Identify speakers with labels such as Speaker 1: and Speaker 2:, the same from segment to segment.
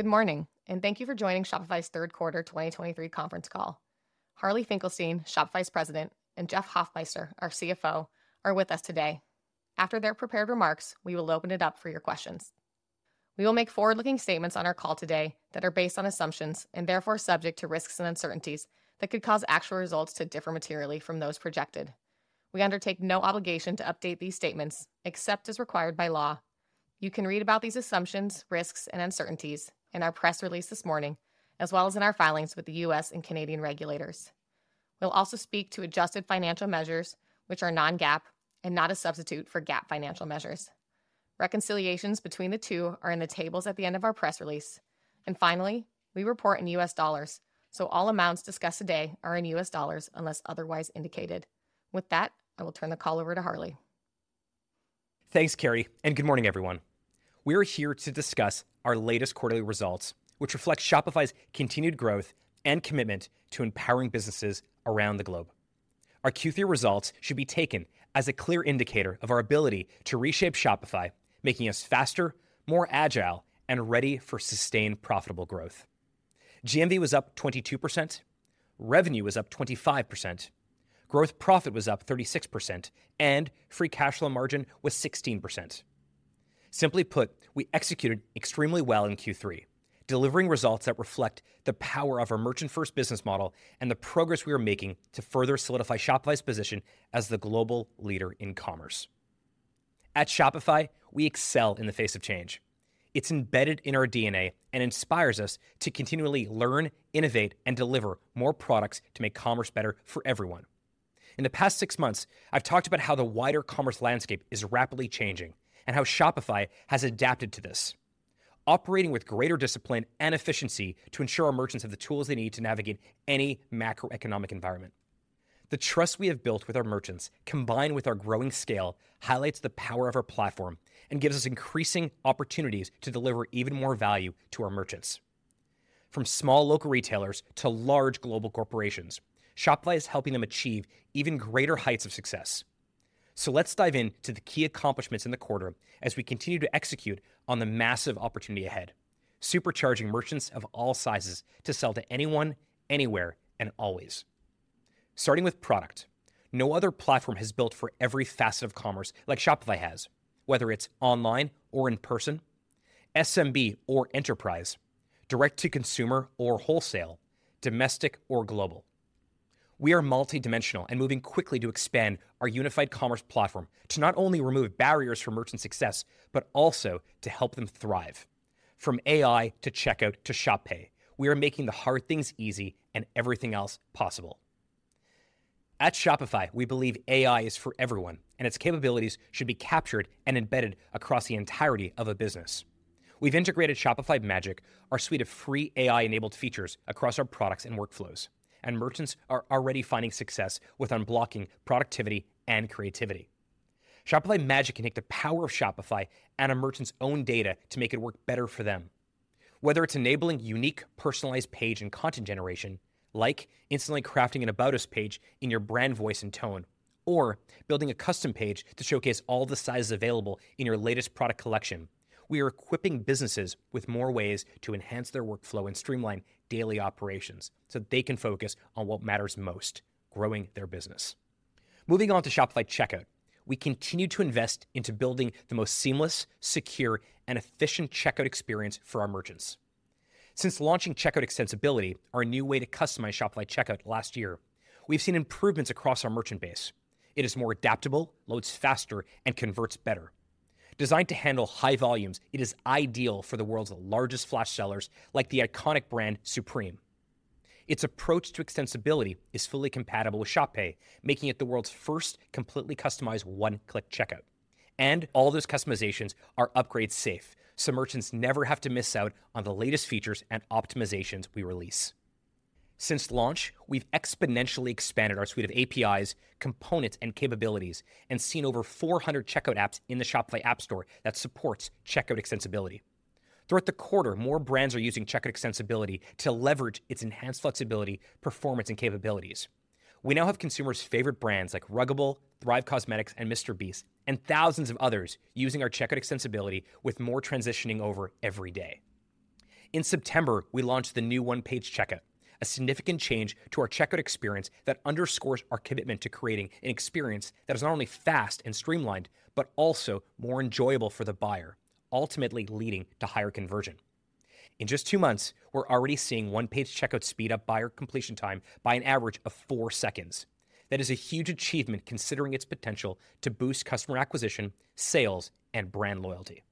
Speaker 1: Good morning, and thank you for joining Shopify's Third Quarter 2023 conference call. Harley Finkelstein, Shopify's President, and Jeff Hoffmeister, our CFO, are with us today. After their prepared remarks, we will open it up for your questions. We will make forward-looking statements on our call today that are based on assumptions and therefore subject to risks and uncertainties that could cause actual results to differ materially from those projected. We undertake no obligation to update these statements except as required by law. You can read about these assumptions, risks, and uncertainties in our press release this morning, as well as in our filings with the U.S. and Canadian regulators. We'll also speak to adjusted financial measures, which are non-GAAP and not a substitute for GAAP financial measures. Reconciliations between the two are in the tables at the end of our press release. Finally, we report in U.S. dollars, so all amounts discussed today are in U.S. dollars unless otherwise indicated. With that, I will turn the call over to Harley.
Speaker 2: Thanks, Carrie, and good morning, everyone. We are here to discuss our latest quarterly results, which reflect Shopify's continued growth and commitment to empowering businesses around the globe. Our Q3 results should be taken as a clear indicator of our ability to reshape Shopify, making us faster, more agile, and ready for sustained profitable growth. GMV was up 22%, revenue was up 25%, growth profit was up 36%, and free cash flow margin was 16%. Simply put, we executed extremely well in Q3, delivering results that reflect the power of our merchant-first business model and the progress we are making to further solidify Shopify's position as the global leader in commerce. At Shopify, we excel in the face of change. It's embedded in our DNA and inspires us to continually learn, innovate, and deliver more products to make commerce better for everyone. In the past six months, I've talked about how the wider commerce landscape is rapidly changing and how Shopify has adapted to this, operating with greater discipline and efficiency to ensure our merchants have the tools they need to navigate any macroeconomic environment. The trust we have built with our merchants, combined with our growing scale, highlights the power of our platform and gives us increasing opportunities to deliver even more value to our merchants. From small local retailers to large global corporations, Shopify is helping them achieve even greater heights of success. So let's dive into the key accomplishments in the quarter as we continue to execute on the massive opportunity ahead, supercharging merchants of all sizes to sell to anyone, anywhere, and always. Starting with product, no other platform has built for every facet of commerce like Shopify has, whether it's online or in person, SMB or enterprise, direct-to-consumer or wholesale, domestic or global. We are multidimensional and moving quickly to expand our unified commerce platform to not only remove barriers for merchant success, but also to help them thrive. From AI to checkout to Shop Pay, we are making the hard things easy and everything else possible. At Shopify, we believe AI is for everyone, and its capabilities should be captured and embedded across the entirety of a business. We've integrated Shopify Magic, our suite of free AI-enabled features, across our products and workflows, and merchants are already finding success with unblocking productivity and creativity. Shopify Magic can take the power of Shopify and a merchant's own data to make it work better for them. Whether it's enabling unique, personalized page and content generation, like instantly crafting an About Us page in your brand voice and tone, or building a custom page to showcase all the sizes available in your latest product collection, we are equipping businesses with more ways to enhance their workflow and streamline daily operations so they can focus on what matters most, growing their business. Moving on to Shopify Checkout. We continue to invest into building the most seamless, secure, and efficient checkout experience for our merchants. Since launching Checkout Extensibility, our new way to customize Shopify Checkout last year, we've seen improvements across our merchant base. It is more adaptable, loads faster, and converts better. Designed to handle high volumes, it is ideal for the world's largest flash sellers, like the iconic brand Supreme. Its approach to extensibility is fully compatible with Shop Pay, making it the world's first completely customized one-click checkout, and all those customizations are upgrade safe, so merchants never have to miss out on the latest features and optimizations we release. Since launch, we've exponentially expanded our suite of APIs, components, and capabilities and seen over 400 checkout apps in the Shopify App Store that supports Checkout Extensibility. Throughout the quarter, more brands are using Checkout Extensibility to leverage its enhanced flexibility, performance, and capabilities. We now have consumers' favorite brands like Ruggable, Thrive Causemetics, and MrBeast, and thousands of others using our Checkout Extensibility, with more transitioning over every day. In September, we launched the new one-page checkout, a significant change to our checkout experience that underscores our commitment to creating an experience that is not only fast and streamlined, but also more enjoyable for the buyer, ultimately leading to higher conversion. In just two months, we're already seeing one-page checkout speed up buyer completion time by an average of four seconds. That is a huge achievement, considering its potential to boost customer acquisition, sales, and brand loyalty.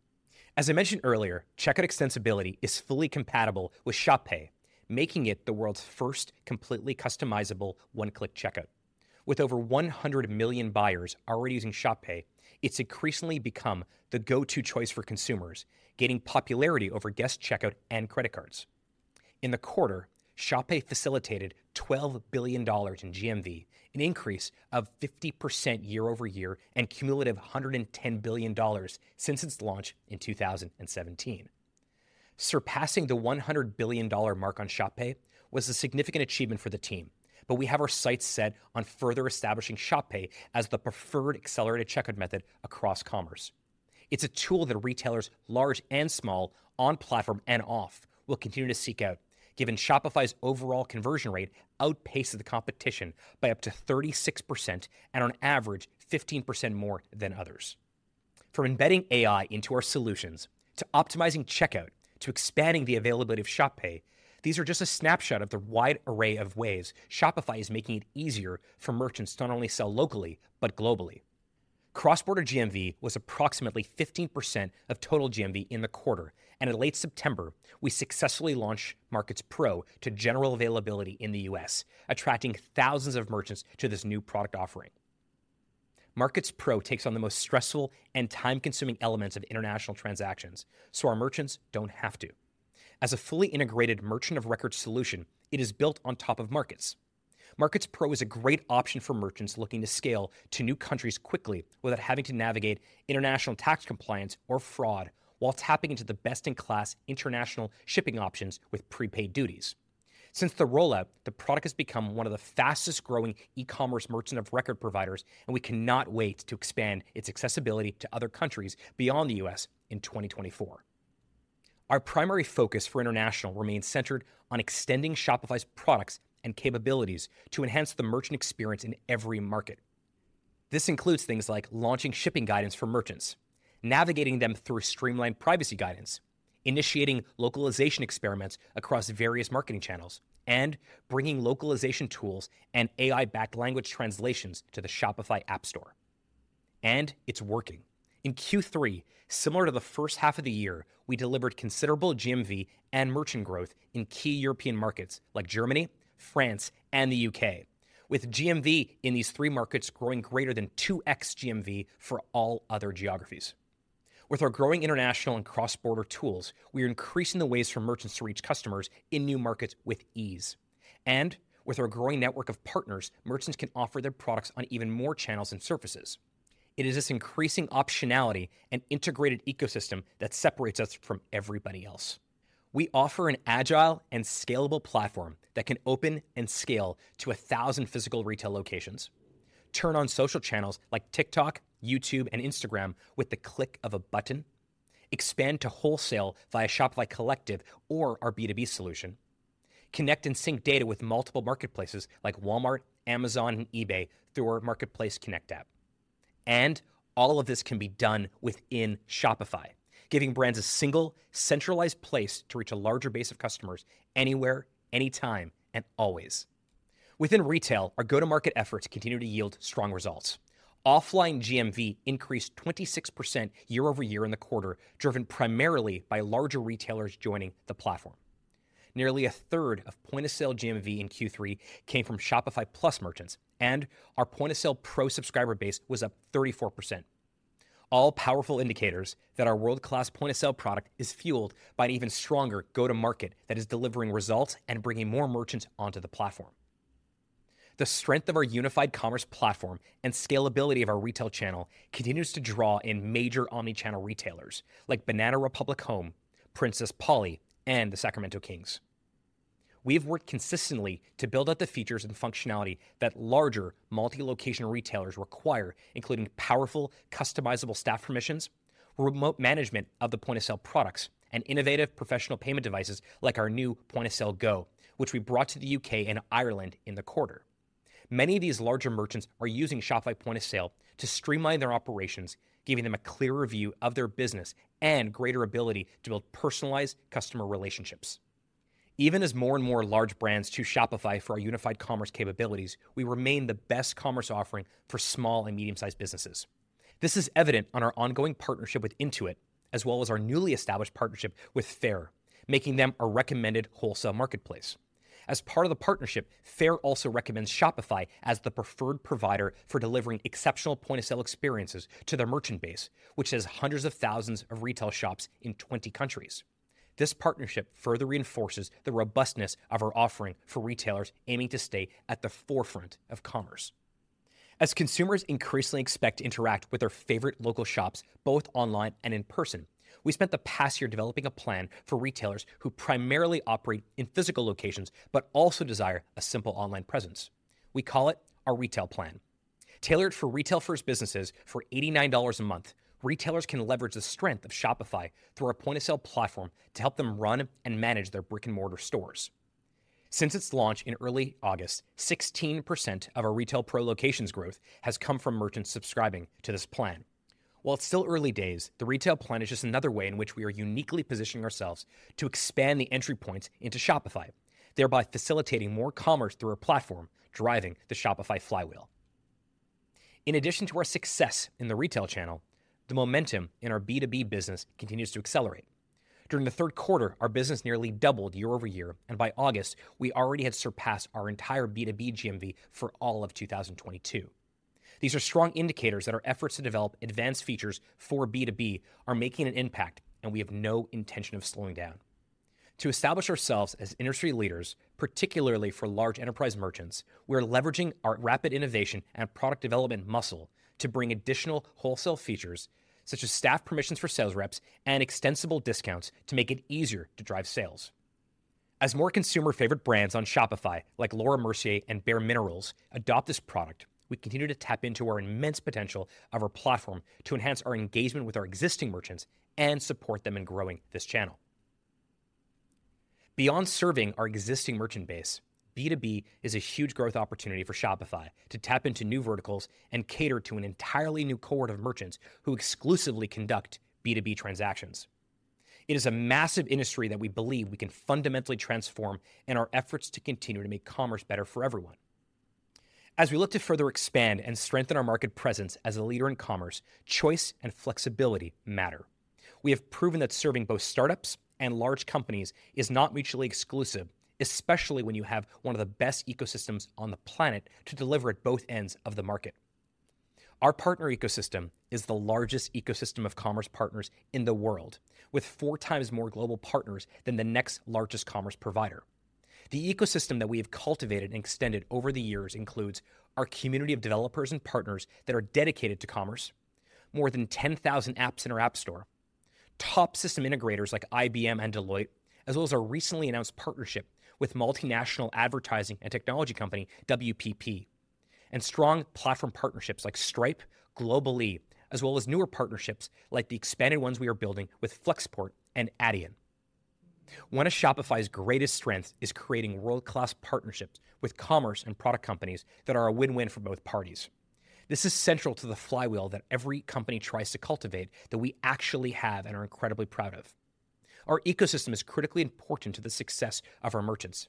Speaker 2: As I mentioned earlier, Checkout Extensibility is fully compatible with Shop Pay, making it the world's first completely customizable one-click checkout. With over 100 million buyers already using Shop Pay, it's increasingly become the go-to choice for consumers, gaining popularity over guest checkout and credit cards. In the quarter, Shop Pay facilitated $12 billion in GMV, an increase of 50% year over year, and cumulative $110 billion since its launch in 2017. Surpassing the $100 billion mark on Shop Pay was a significant achievement for the team, but we have our sights set on further establishing Shop Pay as the preferred accelerated checkout method across commerce. It's a tool that retailers, large and small, on-platform and off, will continue to seek out, given Shopify's overall conversion rate outpaces the competition by up to 36% and on average, 15% more than others. From embedding AI into our solutions, to optimizing checkout, to expanding the availability of Shop Pay, these are just a snapshot of the wide array of ways Shopify is making it easier for merchants to not only sell locally, but globally. Cross-border GMV was approximately 15% of total GMV in the quarter, and in late September, we successfully launched Markets Pro to general availability in the U.S., attracting thousands of merchants to this new product offering. Markets Pro takes on the most stressful and time-consuming elements of international transactions, so our merchants don't have to. As a fully integrated merchant of record solution, it is built on top of Markets. Markets Pro is a great option for merchants looking to scale to new countries quickly without having to navigate international tax compliance or fraud, while tapping into the best-in-class international shipping options with prepaid duties. Since the rollout, the product has become one of the fastest-growing e-commerce merchant of record providers, and we cannot wait to expand its accessibility to other countries beyond the U.S. in 2024. Our primary focus for international remains centered on extending Shopify's products and capabilities to enhance the merchant experience in every market. This includes things like launching shipping guidance for merchants, navigating them through streamlined privacy guidance, initiating localization experiments across various marketing channels, and bringing localization tools and AI-backed language translations to the Shopify App Store, and it's working. In Q3, similar to the first half of the year, we delivered considerable GMV and merchant growth in key European markets like Germany, France, and the U.K., with GMV in these three markets growing greater than 2x GMV for all other geographies. With our growing international and cross-border tools, we are increasing the ways for merchants to reach customers in new markets with ease. With our growing network of partners, merchants can offer their products on even more channels and surfaces. It is this increasing optionality and integrated ecosystem that separates us from everybody else. We offer an agile and scalable platform that can open and scale to 1,000 physical retail locations, turn on social channels like TikTok, YouTube, and Instagram with the click of a button, expand to wholesale via Shopify Collective or our B2B solution, connect and sync data with multiple marketplaces like Walmart, Amazon, and eBay through our Marketplace Connect app. And all of this can be done within Shopify, giving brands a single, centralized place to reach a larger base of customers anywhere, anytime, and always. Within retail, our go-to-market efforts continue to yield strong results. Offline GMV increased 26% year-over-year in the quarter, driven primarily by larger retailers joining the platform. Nearly a third of point-of-sale GMV in Q3 came from Shopify Plus merchants, and our Point of Sale Pro subscriber base was up 34%. All powerful indicators that our world-class point-of-sale product is fueled by an even stronger go-to-market that is delivering results and bringing more merchants onto the platform. The strength of our unified commerce platform and scalability of our retail channel continues to draw in major omnichannel retailers like Banana Republic Home, Princess Polly, and the Sacramento Kings. We have worked consistently to build out the features and functionality that larger, multi-location retailers require, including powerful, customizable staff permissions, remote management of the point-of-sale products, and innovative professional payment devices like our new Point of Sale Go, which we brought to the U.K. and Ireland in the quarter. Many of these larger merchants are using Shopify Point of Sale to streamline their operations, giving them a clearer view of their business and greater ability to build personalized customer relationships. Even as more and more large brands choose Shopify for our unified commerce capabilities, we remain the best commerce offering for small and medium-sized businesses. This is evident on our ongoing partnership with Intuit, as well as our newly established partnership with Faire, making them a recommended wholesale marketplace. As part of the partnership, Faire also recommends Shopify as the preferred provider for delivering exceptional point-of-sale experiences to their merchant base, which has hundreds of thousands of retail shops in 20 countries. This partnership further reinforces the robustness of our offering for retailers aiming to stay at the forefront of commerce. As consumers increasingly expect to interact with their favorite local shops, both online and in person, we spent the past year developing a plan for retailers who primarily operate in physical locations but also desire a simple online presence. We call it our Retail Plan. Tailored for retail-first businesses for $89 a month, retailers can leverage the strength of Shopify through our point-of-sale platform to help them run and manage their brick-and-mortar stores. Since its launch in early August, 16% of our Retail Pro locations growth has come from merchants subscribing to this plan. While it's still early days, the Retail Plan is just another way in which we are uniquely positioning ourselves to expand the entry points into Shopify, thereby facilitating more commerce through our platform, driving the Shopify flywheel. In addition to our success in the retail channel, the momentum in our B2B business continues to accelerate. During the third quarter, our business nearly doubled year-over-year, and by August, we already had surpassed our entire B2B GMV for all of 2022. These are strong indicators that our efforts to develop advanced features for B2B are making an impact, and we have no intention of slowing down. To establish ourselves as industry leaders, particularly for large enterprise merchants, we are leveraging our rapid innovation and product development muscle to bring additional wholesale features, such as staff permissions for sales reps and extensible discounts, to make it easier to drive sales. As more consumer favorite brands on Shopify, like Laura Mercier and bareMinerals, adopt this product, we continue to tap into our immense potential of our platform to enhance our engagement with our existing merchants and support them in growing this channel. Beyond serving our existing merchant base, B2B is a huge growth opportunity for Shopify to tap into new verticals and cater to an entirely new cohort of merchants who exclusively conduct B2B transactions. It is a massive industry that we believe we can fundamentally transform in our efforts to continue to make commerce better for everyone. As we look to further expand and strengthen our market presence as a leader in commerce, choice and flexibility matter. We have proven that serving both startups and large companies is not mutually exclusive, especially when you have one of the best ecosystems on the planet to deliver at both ends of the market. Our partner ecosystem is the largest ecosystem of commerce partners in the world, with four times more global partners than the next largest commerce provider. The ecosystem that we have cultivated and extended over the years includes our community of developers and partners that are dedicated to commerce, more than 10,000 apps in our App Store, top system integrators like IBM and Deloitte, as well as our recently announced partnership with multinational advertising and technology company WPP, and strong platform partnerships like Stripe, Global-e, as well as newer partnerships, like the expanded ones we are building with Flexport and Adyen. One of Shopify's greatest strengths is creating world-class partnerships with commerce and product companies that are a win-win for both parties. This is central to the flywheel that every company tries to cultivate, that we actually have and are incredibly proud of. Our ecosystem is critically important to the success of our merchants.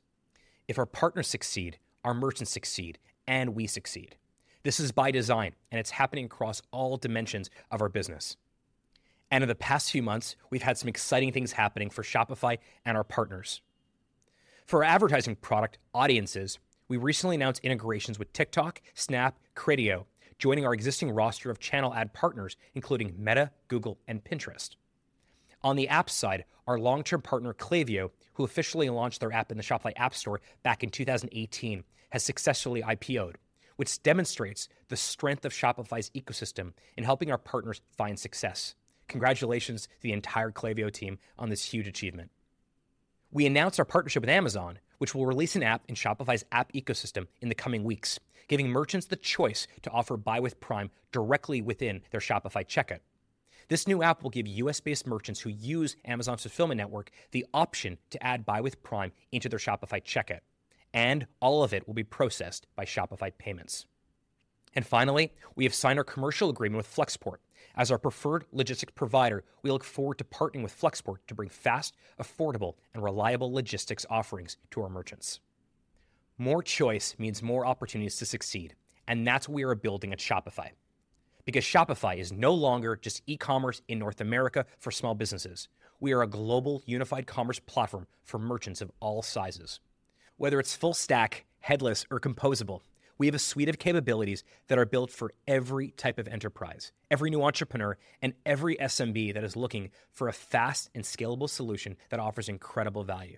Speaker 2: If our partners succeed, our merchants succeed, and we succeed. This is by design, and it's happening across all dimensions of our business. In the past few months, we've had some exciting things happening for Shopify and our partners. For our advertising product, Audiences, we recently announced integrations with TikTok, Snap, Criteo, joining our existing roster of channel ad partners, including Meta, Google, and Pinterest. On the app side, our long-term partner, Klaviyo, who officially launched their app in the Shopify App Store back in 2018, has successfully IPO'd, which demonstrates the strength of Shopify's ecosystem in helping our partners find success. Congratulations to the entire Klaviyo team on this huge achievement. We announced our partnership with Amazon, which will release an app in Shopify's app ecosystem in the coming weeks, giving merchants the choice to offer Buy with Prime directly within their Shopify checkout. This new app will give U.S. based merchants who use Amazon's fulfillment network the option to add Buy with Prime into their Shopify checkout, and all of it will be processed by Shopify Payments. Finally, we have signed our commercial agreement with Flexport. As our preferred logistics provider, we look forward to partnering with Flexport to bring fast, affordable, and reliable logistics offerings to our merchants. More choice means more opportunities to succeed, and that's what we are building at Shopify. Because Shopify is no longer just e-commerce in North America for small businesses. We are a global, unified commerce platform for merchants of all sizes. Whether it's full stack, headless, or composable, we have a suite of capabilities that are built for every type of enterprise, every new entrepreneur, and every SMB that is looking for a fast and scalable solution that offers incredible value.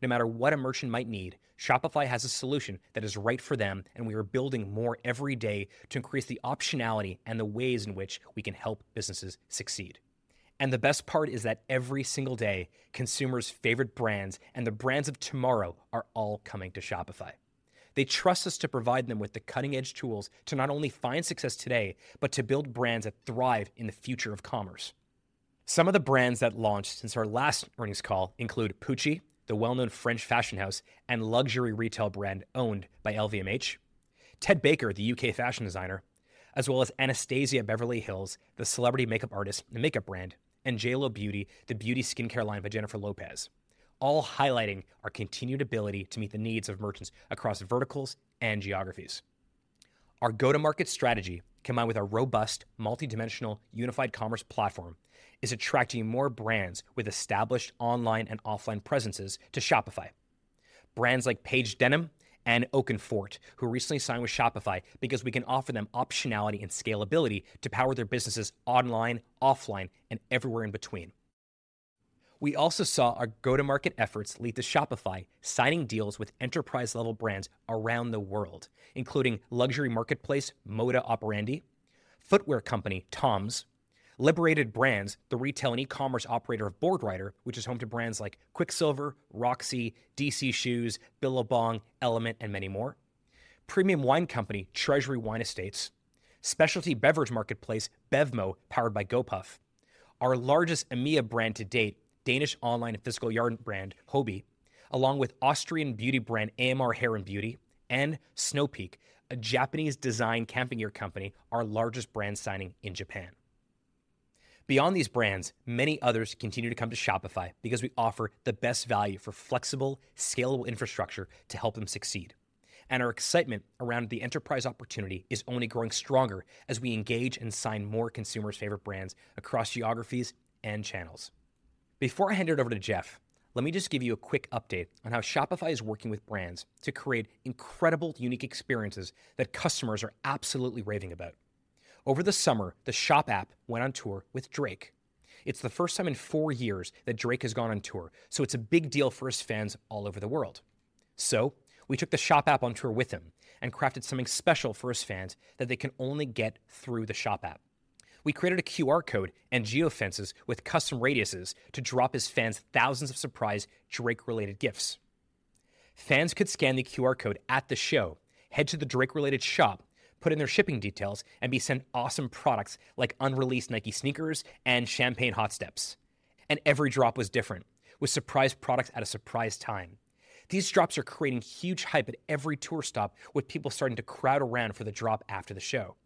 Speaker 2: No matter what a merchant might need, Shopify has a solution that is right for them, and we are building more every day to increase the optionality and the ways in which we can help businesses succeed. The best part is that every single day, consumers' favorite brands and the brands of tomorrow are all coming to Shopify. They trust us to provide them with the cutting-edge tools to not only find success today, but to build brands that thrive in the future of commerce. Some of the brands that launched since our last earnings call include Pucci, the well-known French fashion house and luxury retail brand owned by LVMH, Ted Baker, the U.K. fashion designer, as well as Anastasia Beverly Hills, the celebrity makeup artist and makeup brand, and JLo Beauty, the beauty skincare line by Jennifer Lopez, all highlighting our continued ability to meet the needs of merchants across verticals and geographies. Our go-to-market strategy, combined with our robust, multidimensional, unified commerce platform, is attracting more brands with established online and offline presences to Shopify. Brands like Paige Denim and Oak and Fort, who recently signed with Shopify because we can offer them optionality and scalability to power their businesses online, offline, and everywhere in between. We also saw our go-to-market efforts lead to Shopify signing deals with enterprise-level brands around the world, including luxury marketplace Moda Operandi, footwear company Toms, Liberated Brands, the retail and e-commerce operator of Boardriders, which is home to brands like Quiksilver, Roxy, DC Shoes, Billabong, Element, and many more, premium wine company Treasury Wine Estates, specialty beverage marketplace BevMo!, powered by Gopuff, our largest EMEA brand to date, Danish online and physical yard brand Hobbii, along with Austrian beauty brand AMR Hair and Beauty, and Snow Peak, a Japanese design camping gear company, our largest brand signing in Japan. Beyond these brands, many others continue to come to Shopify because we offer the best value for flexible, scalable infrastructure to help them succeed. Our excitement around the enterprise opportunity is only growing stronger as we engage and sign more consumers' favorite brands across geographies and channels. Before I hand it over to Jeff, let me just give you a quick update on how Shopify is working with brands to create incredible, unique experiences that customers are absolutely raving about. Over the summer, the Shop app went on tour with Drake. It's the first time in four years that Drake has gone on tour, so it's a big deal for his fans all over the world. So, we took the Shop App on tour with him and crafted something special for his fans that they can only get through the Shop App. We created a QR code and geo-fences with custom radiuses to drop his fans thousands of surprise Drake-related gifts. Fans could scan the QR code at the show, head to the Drake-related shop, put in their shipping details, and be sent awesome products like unreleased Nike sneakers and Champagne Hot Steps. Every drop was different, with surprise products at a surprise time. These drops are creating huge hype at every tour stop, with people starting to crowd around for the drop after the show.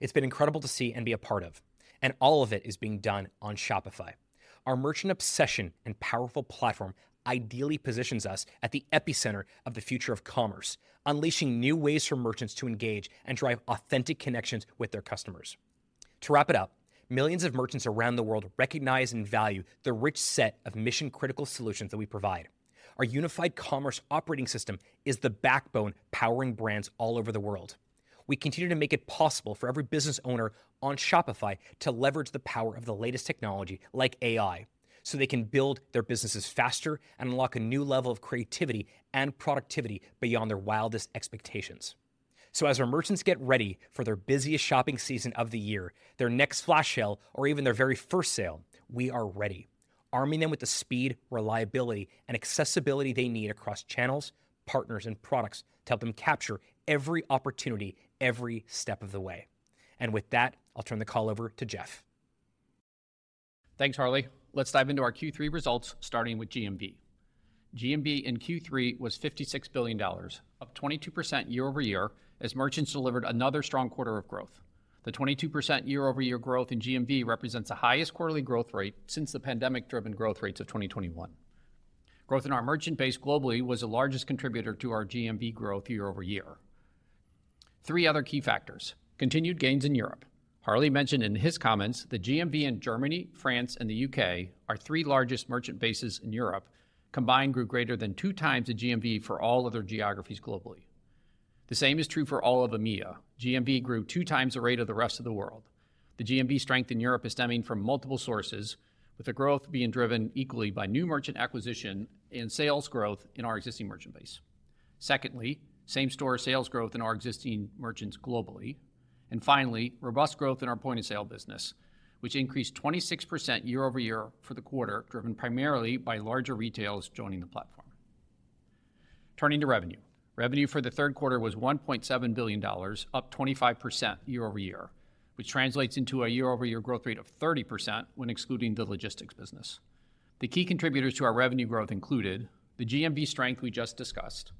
Speaker 2: It's been incredible to see and be a part of, and all of it is being done on Shopify. Our merchant obsession and powerful platform ideally positions us at the epicenter of the future of commerce, unleashing new ways for merchants to engage and drive authentic connections with their customers. To wrap it up, millions of merchants around the world recognize and value the rich set of mission-critical solutions that we provide. Our Unified Commerce Operating System is the backbone powering brands all over the world. We continue to make it possible for every business owner on Shopify to leverage the power of the latest technology, like AI, so they can build their businesses faster and unlock a new level of creativity and productivity beyond their wildest expectations. As our merchants get ready for their busiest shopping season of the year, their next flash sale, or even their very first sale, we are ready, arming them with the speed, reliability, and accessibility they need across channels, partners, and products to help them capture every opportunity, every step of the way. With that, I'll turn the call over to Jeff.
Speaker 3: Thanks, Harley. Let's dive into our Q3 results, starting with GMV. GMV in Q3 was $56 billion, up 22% year over year, as merchants delivered another strong quarter of growth. The 22% year-over-year growth in GMV represents the highest quarterly growth rate since the pandemic-driven growth rates of 2021. Growth in our merchant base globally was the largest contributor to our GMV growth year over year. Three other key factors: Continued gains in Europe. Harley mentioned in his comments that GMV in Germany, France, and the U.K., our three largest merchant bases in Europe, combined grew greater than 2x the GMV for all other geographies globally. The same is true for all of EMEA. GMV grew 2x the rate of the rest of the world. The GMV strength in Europe is stemming from multiple sources, with the growth being driven equally by new merchant acquisition and sales growth in our existing merchant base. Secondly, same-store sales growth in our existing merchants globally. And finally, robust growth in our point-of-sale business, which increased 26% year-over-year for the quarter, driven primarily by larger retailers joining the platform. Turning to revenue. Revenue for the third quarter was $1.7 billion, up 25% year-over-year, which translates into a year-over-year growth rate of 30% when excluding the logistics business. The key contributors to our revenue growth included the GMV strength we just discussed,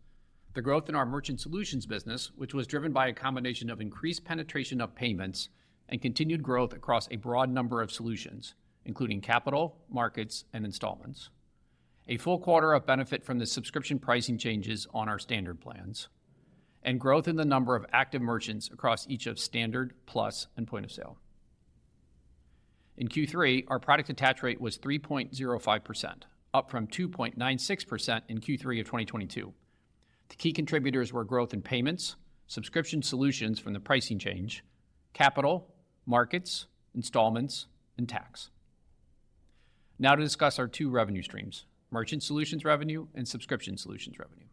Speaker 3: the growth in our Merchant Solutions business, which was driven by a combination of increased penetration of payments and continued growth across a broad number of solutions, including Capital, Markets, and Installments, a full quarter of benefit from the subscription pricing changes on our standard plans, and growth in the number of active merchants across each of Standard, Plus, and Point of Sale. In Q3, our product attach rate was 3.05%, up from 2.96% in Q3 of 2022. The key contributors were growth in payments, subscription solutions from the pricing change, Capital, Markets, Installments, and Tax. Now to discuss our two revenue streams, Merchant Solutions revenue and Subscription Solutions revenue.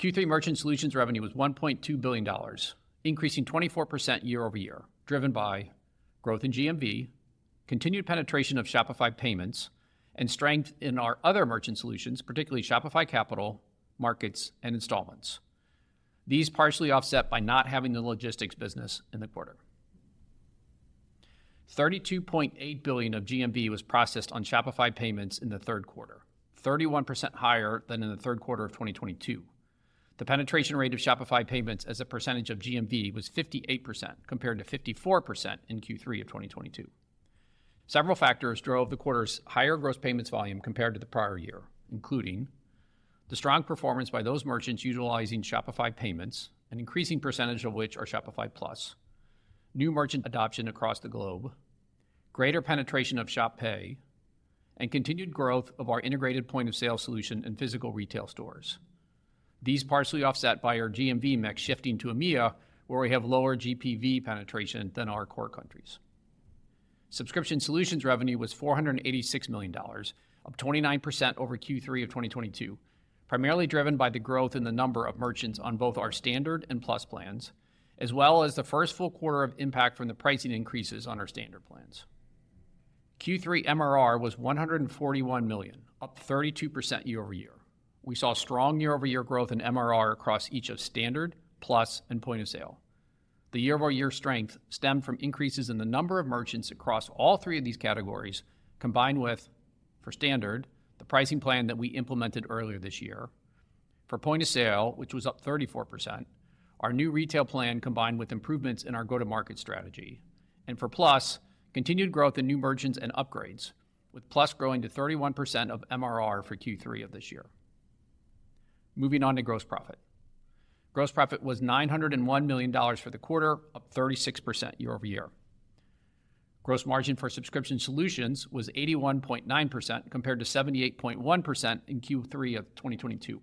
Speaker 3: Q3 Merchant Solutions revenue was $1.2 billion, increasing 24% year-over-year, driven by growth in GMV, continued penetration of Shopify Payments, and strength in our other merchant solutions, particularly Shopify Capital, Markets, and Installments. These partially offset by not having the logistics business in the quarter. $32.8 billion of GMV was processed on Shopify Payments in the third quarter, 31% higher than in the third quarter of 2022. The penetration rate of Shopify Payments as a percentage of GMV was 58%, compared to 54% in Q3 of 2022. Several factors drove the quarter's higher gross payments volume compared to the prior year, including the strong performance by those merchants utilizing Shopify Payments, an increasing percentage of which are Shopify Plus, new merchant adoption across the globe, greater penetration of Shop Pay, and continued growth of our integrated point-of-sale solution in physical retail stores. These partially offset by our GMV mix shifting to EMEA, where we have lower GPV penetration than our core countries. Subscription Solutions revenue was $486 million, up 29% over Q3 of 2022, primarily driven by the growth in the number of merchants on both our Standard and Plus plans, as well as the first full quarter of impact from the pricing increases on our Standard plans. Q3 MRR was $141 million, up 32% year-over-year. We saw strong year-over-year growth in MRR across each of Standard, Plus, and Point of Sale. The year-over-year strength stemmed from increases in the number of merchants across all three of these categories, combined with, for Standard, the pricing plan that we implemented earlier this year. For Point of Sale, which was up 34%, our new retail plan combined with improvements in our go-to-market strategy. And for Plus, continued growth in new merchants and upgrades, with Plus growing to 31% of MRR for Q3 of this year. Moving on to gross profit. Gross profit was $901 million for the quarter, up 36% year-over-year. Gross margin for Subscription Solutions was 81.9%, compared to 78.1% in Q3 of 2022.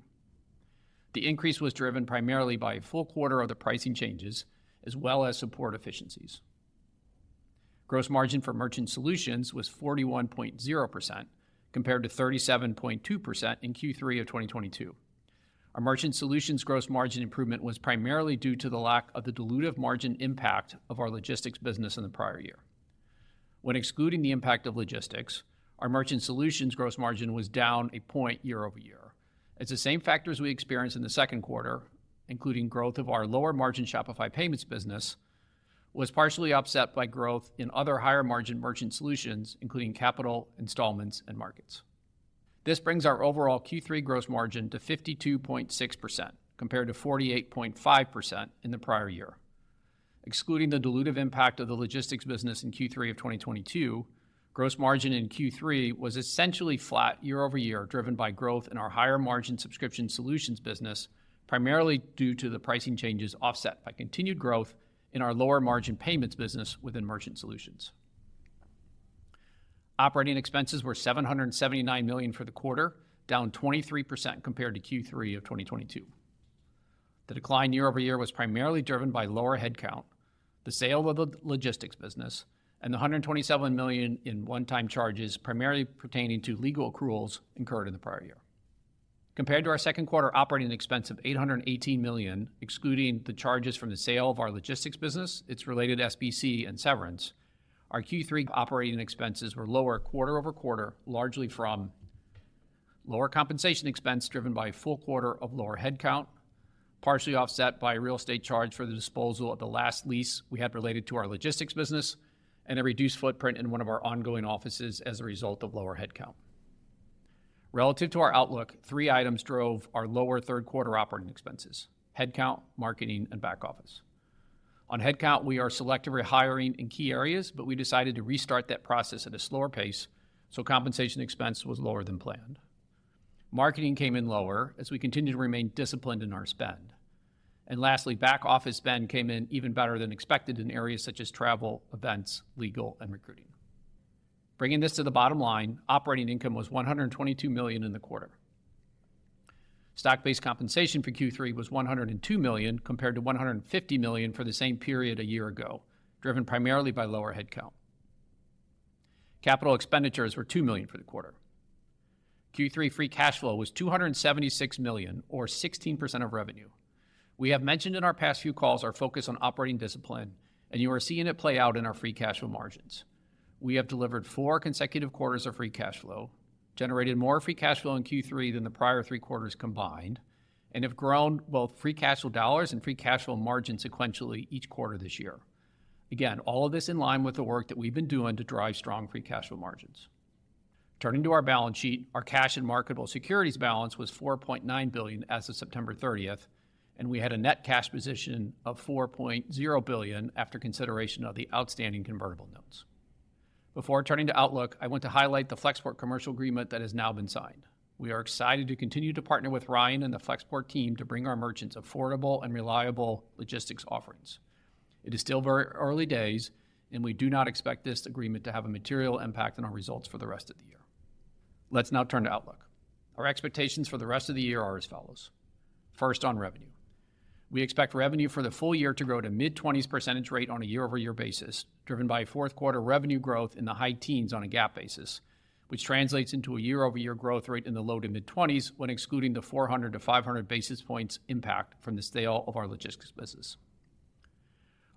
Speaker 3: The increase was driven primarily by a full quarter of the pricing changes, as well as support efficiencies. Gross margin for Merchant Solutions was 41.0%, compared to 37.2% in Q3 of 2022. Our Merchant Solutions gross margin improvement was primarily due to the lack of the dilutive margin impact of our logistics business in the prior year. When excluding the impact of logistics, our Merchant Solutions gross margin was down one point year-over-year. It's the same factors we experienced in the second quarter, including growth of our lower margin Shopify Payments business, was partially offset by growth in other higher-margin Merchant Solutions, including Capital, Installments, and Markets. This brings our overall Q3 gross margin to 52.6%, compared to 48.5% in the prior year. Excluding the dilutive impact of the logistics business in Q3 of 2022, gross margin in Q3 was essentially flat year over year, driven by growth in our higher-margin subscription solutions business, primarily due to the pricing changes, offset by continued growth in our lower-margin payments business within Merchant Solutions. Operating expenses were $779 million for the quarter, down 23% compared to Q3 of 2022. The decline year over year was primarily driven by lower headcount, the sale of the logistics business, and the $127 million in one-time charges, primarily pertaining to legal accruals incurred in the prior year. Compared to our second quarter operating expense of $818 million, excluding the charges from the sale of our logistics business, its related SBC and severance, our Q3 operating expenses were lower quarter-over-quarter, largely from lower compensation expense, driven by a full quarter of lower headcount, partially offset by a real estate charge for the disposal of the last lease we had related to our logistics business, and a reduced footprint in one of our ongoing offices as a result of lower headcount. Relative to our outlook, three items drove our lower third quarter operating expenses: headcount, marketing, and back office. On headcount, we are selective rehiring in key areas, but we decided to restart that process at a slower pace, so compensation expense was lower than planned. Marketing came in lower as we continued to remain disciplined in our spend. And lastly, back office spend came in even better than expected in areas such as travel, events, legal, and recruiting. Bringing this to the bottom line, operating income was $122 million in the quarter. Stock-based compensation for Q3 was $102 million, compared to $150 million for the same period a year ago, driven primarily by lower headcount. Capital expenditures were $2 million for the quarter. Q3 free cash flow was $276 million or 16% of revenue. We have mentioned in our past few calls our focus on operating discipline, and you are seeing it play out in our free cash flow margins. We have delivered four consecutive quarters of free cash flow, generated more free cash flow in Q3 than the prior three quarters combined, and have grown both free cash flow dollars and free cash flow margin sequentially each quarter this year. Again, all of this in line with the work that we've been doing to drive strong free cash flow margins. Turning to our balance sheet, our cash and marketable securities balance was $4.9 billion as of September 13, and we had a net cash position of $4.0 billion after consideration of the outstanding convertible notes. Before turning to outlook, I want to highlight the Flexport commercial agreement that has now been signed. We are excited to continue to partner with Ryan and the Flexport team to bring our merchants affordable and reliable logistics offerings. It is still very early days, and we do not expect this agreement to have a material impact on our results for the rest of the year. Let's now turn to outlook. Our expectations for the rest of the year are as follows: First, on revenue. We expect revenue for the full year to grow to mid-20s% rate on a year-over-year basis, driven by a fourth quarter revenue growth in the high teens% on a GAAP basis, which translates into a year-over-year growth rate in the low- to mid-20s% when excluding the 400-500 basis points impact from the sale of our logistics business.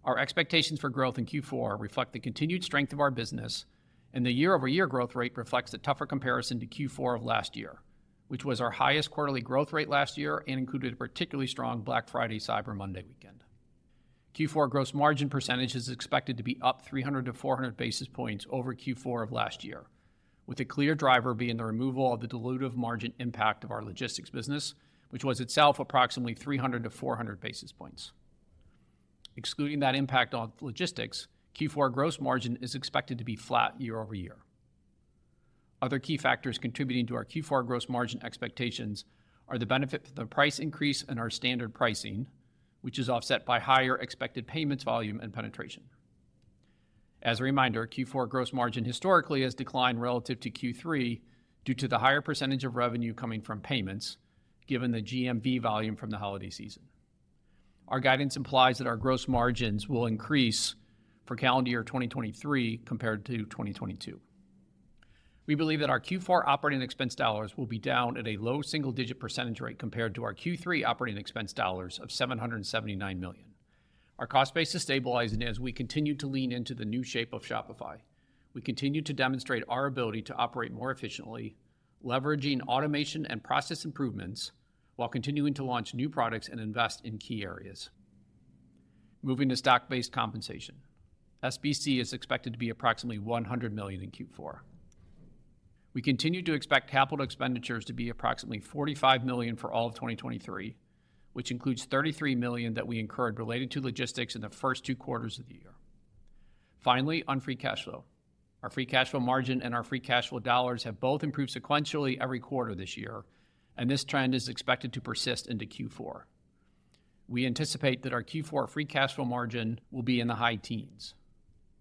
Speaker 3: Our expectations for growth in Q4 reflect the continued strength of our business, and the year-over-year growth rate reflects a tougher comparison to Q4 of last year, which was our highest quarterly growth rate last year and included a particularly strong Black Friday, Cyber Monday weekend. Q4 gross margin percentage is expected to be up 300-400 basis points over Q4 of last year, with a clear driver being the removal of the dilutive margin impact of our logistics business, which was itself approximately 300-400 basis points. Excluding that impact on logistics, Q4 gross margin is expected to be flat year over year. Other key factors contributing to our Q4 gross margin expectations are the benefit of the price increase in our standard pricing, which is offset by higher expected payments, volume, and penetration. As a reminder, Q4 gross margin historically has declined relative to Q3 due to the higher percentage of revenue coming from payments, given the GMV volume from the holiday season. Our guidance implies that our gross margins will increase for calendar year 2023 compared to 2022. We believe that our Q4 operating expense dollars will be down at a low single-digit percentage rate compared to our Q3 operating expense dollars of $779 million. Our cost base is stabilizing as we continue to lean into the new shape of Shopify. We continue to demonstrate our ability to operate more efficiently, leveraging automation and process improvements, while continuing to launch new products and invest in key areas. Moving to stock-based compensation. SBC is expected to be approximately $100 million in Q4. We continue to expect capital expenditures to be approximately $45 million for all of 2023, which includes $33 million that we incurred related to logistics in the first two quarters of the year. Finally, on free cash flow. Our free cash flow margin and our free cash flow dollars have both improved sequentially every quarter this year, and this trend is expected to persist into Q4. We anticipate that our Q4 free cash flow margin will be in the high teens%.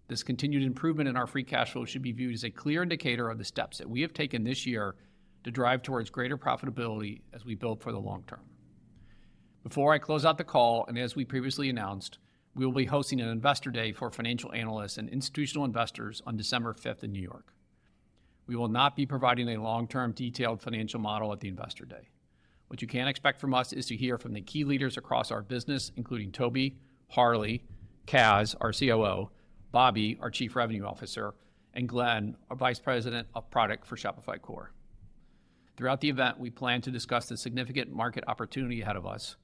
Speaker 3: This continued improvement in our free cash flow should be viewed as a clear indicator of the steps that we have taken this year to drive towards greater profitability as we build for the long term.... Before I close out the call, and as we previously announced, we will be hosting an Investor Day for Financial Analysts and Institutional Investors on December 5, in New York. We will not be providing a long-term detailed financial model at the Investor Day. What you can expect from us, is to hear from the key leaders across our business, including Tobi, Harley, Kaz, our COO, Bobby, our Chief Revenue Officer, and Glen, our Vice President of Product for Shopify Core. Throughout the event, we plan to discuss the significant market opportunity ahead of us,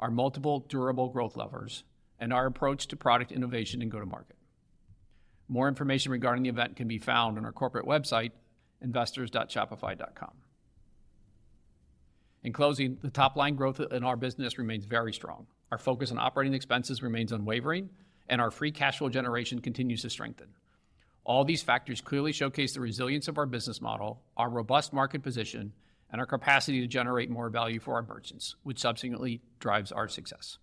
Speaker 3: our multiple durable growth levers, and our approach to product innovation and go-to-market. More information regarding the event can be found on our corporate website, investors.shopify.com. In closing, the top line growth in our business remains very strong. Our focus on operating expenses remains unwavering, and our free cash flow generation continues to strengthen. All these factors clearly showcase the resilience of our business model, our robust market position, and our capacity to generate more value for our merchants, which subsequently drives our success.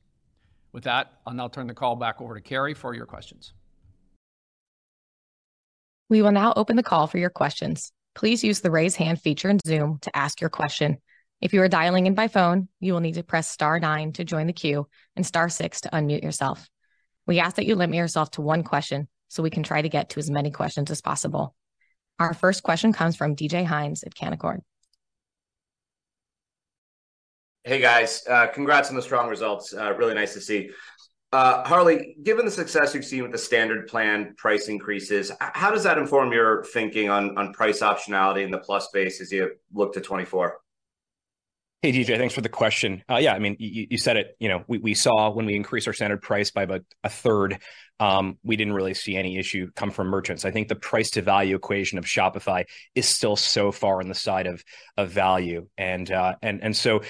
Speaker 3: With that, I'll now turn the call back over to Carrie for your questions.
Speaker 1: We will now open the call for your questions. Please use the Raise Hand feature in Zoom to ask your question. If you are dialing in by phone, you will need to press star nine to join the queue, and star six to unmute yourself. We ask that you limit yourself to one question, so we can try to get to as many questions as possible. Our first question comes from DJ Hynes at Canaccord.
Speaker 4: Hey, guys. Congrats on the strong results. Really nice to see. Harley, given the success you've seen with the standard plan price increases, how does that inform your thinking on price optionality in the Plus space as you look to 2024?
Speaker 2: Hey, DJ, thanks for the question. Yeah, I mean, you said it, you know, we saw when we increased our standard price by about a third, we didn't really see any issue come from merchants. I think the price to value equation of Shopify is still so far on the side of value. And so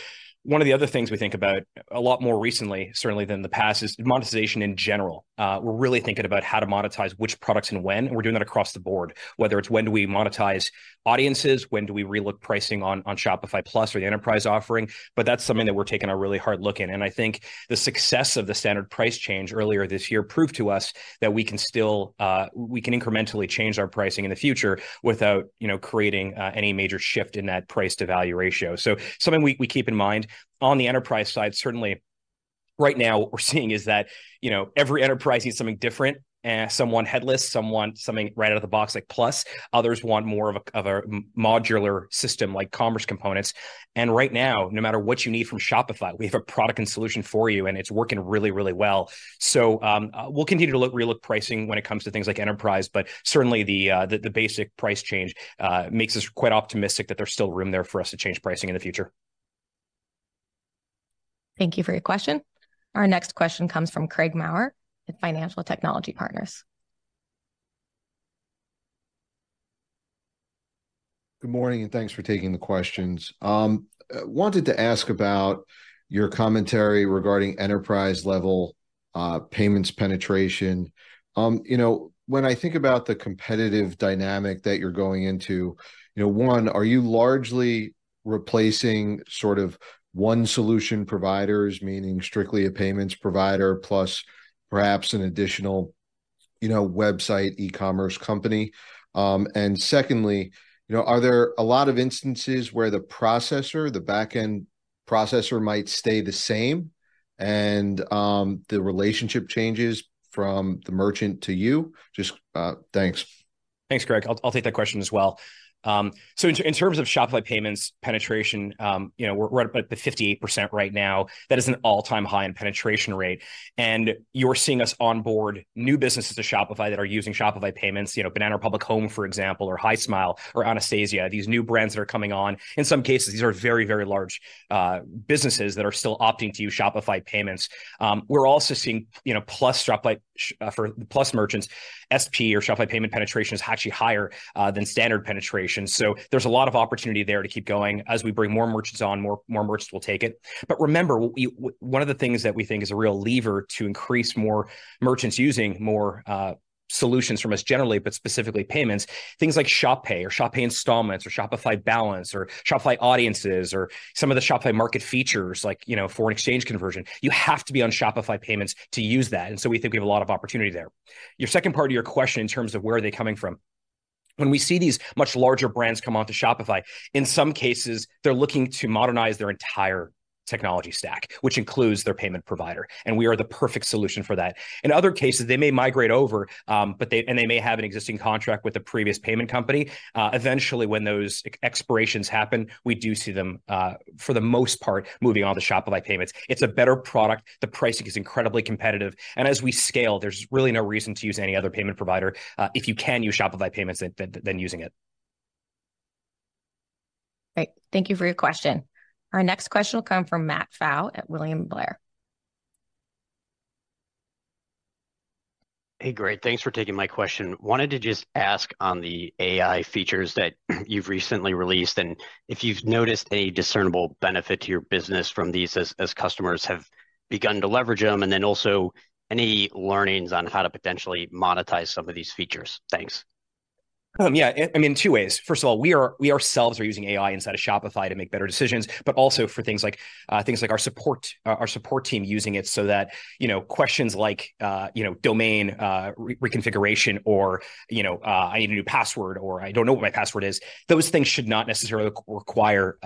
Speaker 2: one of the other things we think about a lot more recently, certainly than the past, is monetization in general. We're really thinking about how to monetize which products and when, and we're doing that across the board, whether it's when do we monetize Audiences, when do we re-look pricing on Shopify Plus or the Enterprise offering, but that's something that we're taking a really hard look in. I think the success of the standard price change earlier this year proved to us that we can still incrementally change our pricing in the future without, you know, creating any major shift in that price to value ratio. So something we keep in mind. On the enterprise side, certainly right now, what we're seeing is that, you know, every enterprise needs something different. Some want headless, some want something right out of the box, like Plus, others want more of a modular system, like Commerce Components. Right now, no matter what you need from Shopify, we have a product and solution for you, and it's working really, really well. We'll continue to look, re-look at pricing when it comes to things like Enterprise, but certainly the basic price change makes us quite optimistic that there's still room there for us to change pricing in the future.
Speaker 1: Thank you for your question. Our next question comes from Craig Maurer at Financial Technology Partners.
Speaker 5: Good morning, and thanks for taking the questions. Wanted to ask about your commentary regarding enterprise-level payments penetration. You know, when I think about the competitive dynamic that you're going into, you know, one, are you largely replacing sort of one solution providers, meaning strictly a payments provider, plus perhaps an additional, you know, website e-commerce company? And secondly, you know, are there a lot of instances where the processor, the back-end processor, might stay the same, and the relationship changes from the merchant to you? Just... thanks.
Speaker 2: Thanks, Craig. I'll take that question as well. So in terms of Shopify Payments penetration, you know, we're up at the 58% right now. That is an all-time high in penetration rate, and you're seeing us onboard new businesses to Shopify that are using Shopify Payments. You know, Banana Republic Home, for example, or Hismile, or Anastasia, these new brands that are coming on. In some cases, these are very, very large businesses that are still opting to use Shopify Payments. We're also seeing, you know, plus Shopify for plus merchants, SP or Shopify Payment penetration is actually higher than standard penetration. So there's a lot of opportunity there to keep going. As we bring more merchants on, more merchants will take it. But remember, one of the things that we think is a real lever to increase more merchants using more, solutions from us generally, but specifically payments, things like Shop Pay or Shop Pay Installments or Shopify Balance, or Shopify Audiences, or some of the Shopify Market features, like, you know, foreign exchange conversion, you have to be on Shopify Payments to use that, and so we think we have a lot of opportunity there. Your second part of your question, in terms of where are they coming from, when we see these much larger brands come onto Shopify, in some cases, they're looking to modernize their entire technology stack, which includes their payment provider, and we are the perfect solution for that. In other cases, they may migrate over, but they-- and they may have an existing contract with the previous payment company. Eventually, when those expirations happen, we do see them, for the most part, moving on to Shopify Payments. It's a better product, the pricing is incredibly competitive, and as we scale, there's really no reason to use any other payment provider. If you can use Shopify Payments, than using it. Great. Thank you for your question. Our next question will come from Matt Pfau at William Blair.
Speaker 6: Hey, great. Thanks for taking my question. Wanted to just ask on the AI features that you've recently released, and if you've noticed any discernible benefit to your business from these as customers have begun to leverage them, and then also, any learnings on how to potentially monetize some of these features? Thanks. ...
Speaker 2: Yeah, I mean, two ways. First of all, we ourselves are using AI inside of Shopify to make better decisions, but also for things like things like our support, our support team using it so that, you know, questions like, you know, domain reconfiguration or, you know, "I need a new password," or, "I don't know what my password is," those things should not necessarily require,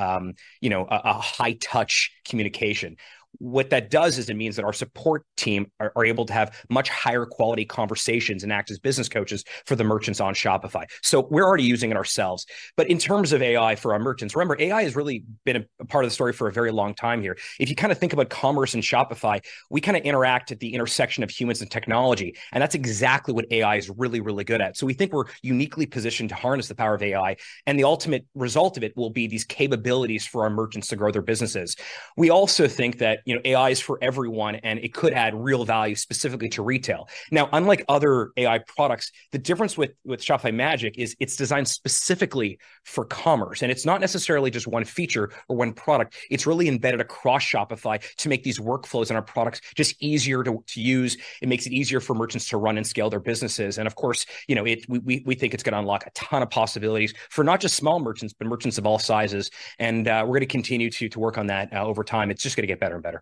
Speaker 2: you know, a high-touch communication. What that does is it means that our support team are able to have much higher quality conversations and act as business coaches for the merchants on Shopify. So we're already using it ourselves. But in terms of AI for our merchants, remember, AI has really been a part of the story for a very long time here. If you kind of think about commerce and Shopify, we kind of interact at the intersection of humans and technology, and that's exactly what AI is really, really good at. So we think we're uniquely positioned to harness the power of AI, and the ultimate result of it will be these capabilities for our merchants to grow their businesses. We also think that, you know, AI is for everyone, and it could add real value specifically to retail. Now, unlike other AI products, the difference with Shopify Magic is it's designed specifically for commerce, and it's not necessarily just one feature or one product. It's really embedded across Shopify to make these workflows and our products just easier to use. It makes it easier for merchants to run and scale their businesses. And of course, you know, it... We think it's gonna unlock a ton of possibilities for not just small merchants, but merchants of all sizes. And we're gonna continue to work on that over time. It's just gonna get better and better.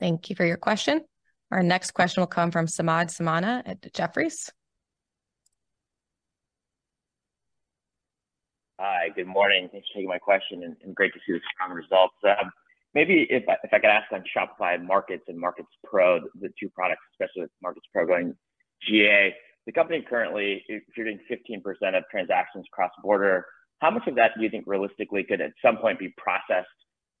Speaker 1: Thank you for your question. Our next question will come from Samad Samana at Jefferies.
Speaker 7: Hi, good morning. Thanks for taking my question, and great to see the strong results. Maybe if I could ask on Shopify Markets and Markets Pro, the two products, especially with Markets Pro going GA, the company currently is doing 15% of transactions cross-border. How much of that do you think realistically could at some point be processed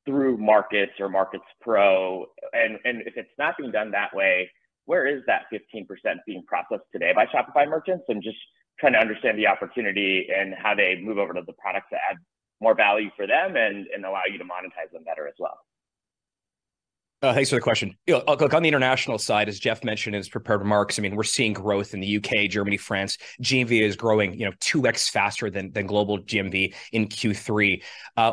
Speaker 7: through Markets or Markets Pro? And if it's not being done that way, where is that 15% being processed today by Shopify merchants? I'm just trying to understand the opportunity and how they move over to the product to add more value for them and allow you to monetize them better as well.
Speaker 2: Thanks for the question. You know, look, on the international side, as Jeff mentioned in his prepared remarks, I mean, we're seeing growth in the U.K., Germany, France. GMV is growing, you know, 2x faster than global GMV in Q3.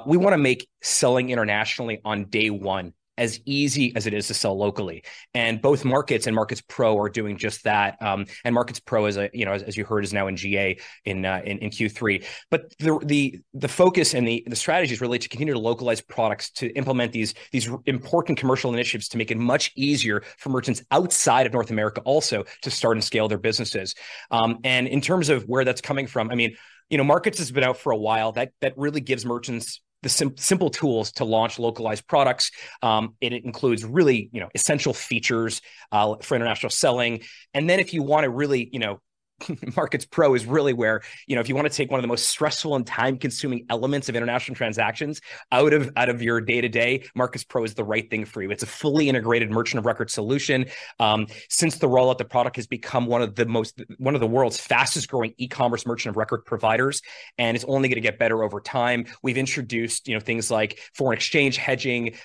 Speaker 2: We wanna make selling internationally on day one as easy as it is to sell locally, and both Markets and Markets Pro are doing just that. And Markets Pro, as I, you know, as you heard, is now in GA in Q3. But the focus and the strategy is really to continue to localize products, to implement these important commercial initiatives, to make it much easier for merchants outside of North America also to start and scale their businesses. And in terms of where that's coming from, I mean, you know, Markets has been out for a while. That really gives merchants the simple tools to launch localized products. And it includes really, you know, essential features for international selling. And then if you want to really, you know, Markets Pro is really where, you know, if you want to take one of the most stressful and time-consuming elements of international transactions out of your day-to-day, Markets Pro is the right thing for you. It's a fully integrated merchant of record solution. Since the rollout, the product has become one of the world's fastest growing e-commerce merchant of record providers, and it's only gonna get better over time. We've introduced, you know, things like foreign exchange hedging,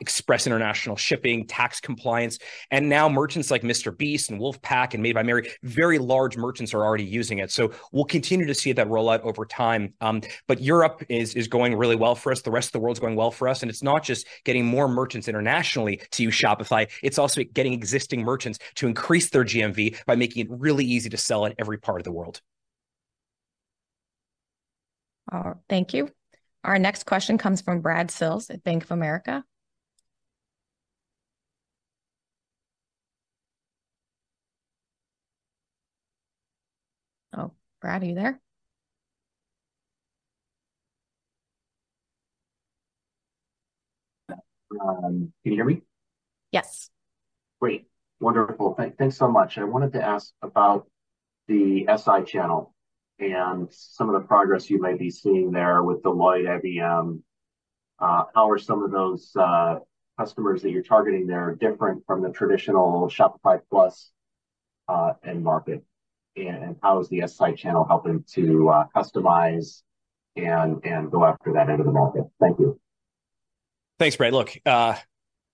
Speaker 2: express international shipping, tax compliance, and now merchants like MrBeast and WOLFpak and Made by Mary, very large merchants are already using it. So we'll continue to see that roll out over time. But Europe is going really well for us. The rest of the world's going well for us, and it's not just getting more merchants internationally to use Shopify, it's also getting existing merchants to increase their GMV by making it really easy to sell in every part of the world.
Speaker 1: Thank you. Our next question comes from Brad Sills at Bank of America. Oh, Brad, are you there?
Speaker 8: Can you hear me?
Speaker 1: Yes.
Speaker 8: Great. Wonderful. Thank- thanks so much. I wanted to ask about the SI channel and some of the progress you may be seeing there with Deloitte, IBM. How are some of those customers that you're targeting there different from the traditional Shopify Plus end market, and how is the SI channel helping to customize and go after that end of the market? Thank you.
Speaker 2: Thanks, Brad. Look,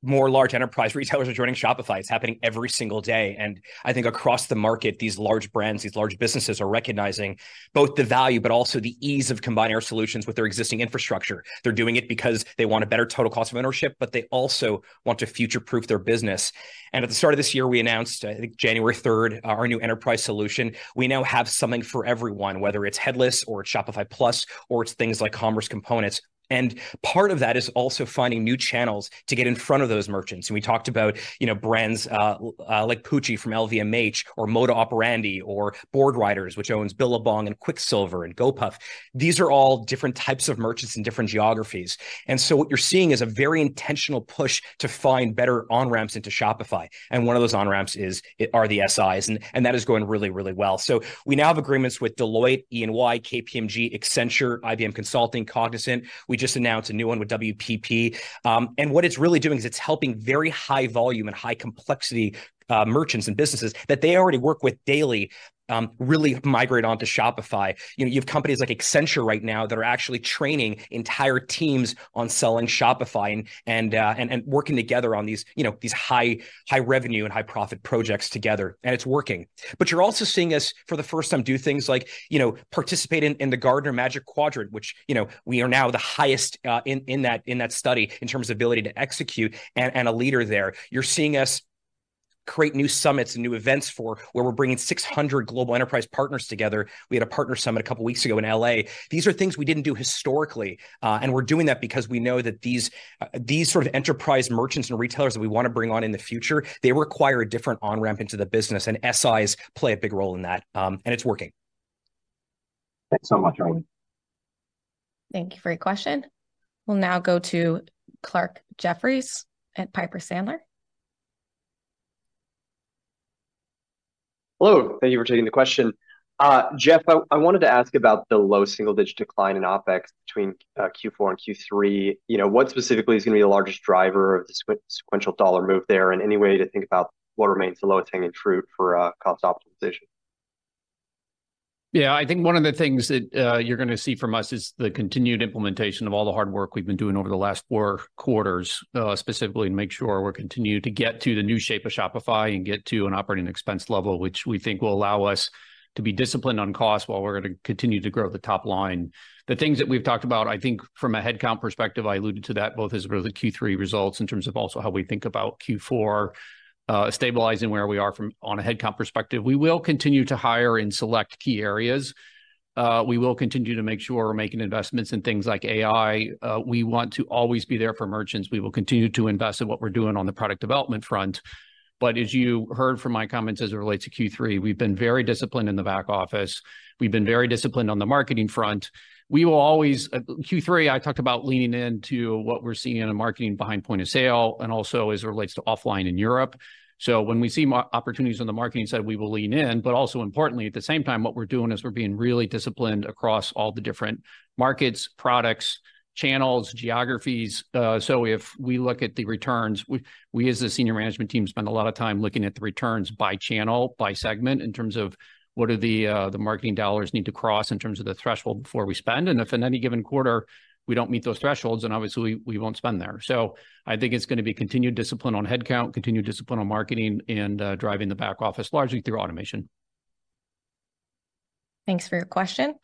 Speaker 2: more large enterprise retailers are joining Shopify. It's happening every single day, and I think across the market, these large brands, these large businesses, are recognizing both the value, but also the ease of combining our solutions with their existing infrastructure. They're doing it because they want a better total cost of ownership, but they also want to future-proof their business. And at the start of this year, we announced, I think January 3rd, our new enterprise solution. We now have something for everyone, whether it's headless or Shopify Plus or it's things like Commerce Components, and part of that is also finding new channels to get in front of those merchants. And we talked about, you know, brands like Pucci from LVMH or Moda Operandi or Boardriders, which owns Billabong and Quiksilver and Gopuff. These are all different types of merchants in different geographies. And so what you're seeing is a very intentional push to find better on-ramps into Shopify, and one of those on-ramps is, are the SIs, and that is going really, really well. So we now have agreements with Deloitte, EY, KPMG, Accenture, IBM Consulting, Cognizant. We just announced a new one with WPP. And what it's really doing is it's helping very high volume and high complexity merchants and businesses that they already work with daily, really migrate onto Shopify. You know, you have companies like Accenture right now that are actually training entire teams on selling Shopify and working together on these, you know, these high, high-revenue and high-profit projects together, and it's working. But you're also seeing us, for the first time, do things like, you know, participate in the Gartner Magic Quadrant, which, you know, we are now the highest in that study in terms of ability to execute and a leader there. You're seeing us create new summits and new events where we're bringing 600 global enterprise partners together. We had a partner summit a couple of weeks ago in L.A. These are things we didn't do historically, and we're doing that because we know that these sort of enterprise merchants and retailers that we wanna bring on in the future, they require a different on-ramp into the business, and SIs play a big role in that. And it's working.
Speaker 8: Thanks so much, Ryan.
Speaker 1: Thank you for your question. We'll now go to Clarke Jeffries at Piper Sandler.
Speaker 9: Hello, thank you for taking the question. Jeff, I wanted to ask about the low single-digit decline in OpEx between Q4 and Q3. You know, what specifically is gonna be the largest driver of the sequential dollar move there? And any way to think about what remains the lowest hanging fruit for cost optimization?
Speaker 3: Yeah, I think one of the things that you're gonna see from us is the continued implementation of all the hard work we've been doing over the last four quarters. Specifically to make sure we're continuing to get to the new shape of Shopify and get to an operating expense level, which we think will allow us to be disciplined on cost, while we're gonna continue to grow the top line. The things that we've talked about, I think from a headcount perspective, I alluded to that both as it relates to Q3 results in terms of also how we think about Q4. Stabilizing where we are on a headcount perspective, we will continue to hire in select key areas. We will continue to make sure we're making investments in things like AI. We want to always be there for merchants. We will continue to invest in what we're doing on the product development front. But as you heard from my comments, as it relates to Q3, we've been very disciplined in the back office, we've been very disciplined on the marketing front. We will always, Q3, I talked about leaning into what we're seeing in a marketing behind Point of Sale, and also as it relates to offline in Europe. So when we see opportunities on the marketing side, we will lean in. But also importantly, at the same time, what we're doing is we're being really disciplined across all the different markets, products, channels, geographies. So if we look at the returns, we as a senior management team spend a lot of time looking at the returns by channel, by segment, in terms of what are the marketing dollars need to cross in terms of the threshold before we spend. And if in any given quarter we don't meet those thresholds, then obviously we won't spend there. So I think it's gonna be continued discipline on headcount, continued discipline on marketing, and driving the back office largely through automation.
Speaker 1: Thanks for your question.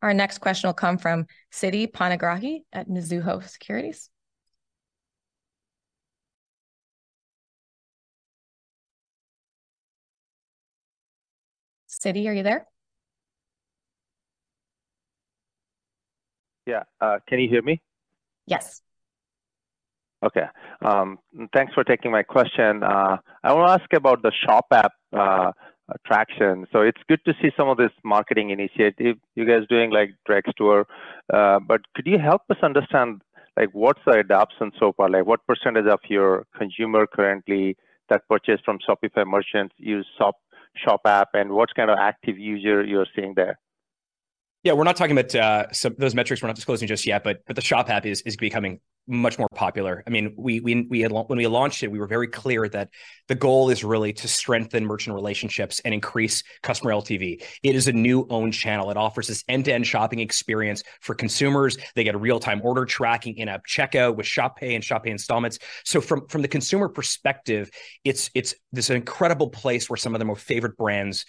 Speaker 1: Our next question will come from Siti Panigrahi at Mizuho Securities. Siti, are you there?
Speaker 10: Yeah, can you hear me?
Speaker 1: Yes.
Speaker 10: Okay, thanks for taking my question. I wanna ask about the Shop App attraction. So it's good to see some of this marketing initiative you guys doing, like Drake store. But could you help us understand, like, what are the adoption so far? Like, what percentage of your consumer currently that purchase from Shopify merchants use Shop, Shop App, and what kind of active user you're seeing there?
Speaker 2: Yeah, we're not talking about... So those metrics we're not disclosing just yet, but, but the Shop App is, is becoming much more popular. I mean, we, we, we, when we launched it, we were very clear that the goal is really to strengthen merchant relationships and increase customer LTV. It is a new own channel. It offers this end-to-end shopping experience for consumers. They get a real-time order tracking, in-app checkout with Shop Pay and Shop Pay Installments. So from, from the consumer perspective, it's, it's this incredible place where some of the most favorite brands,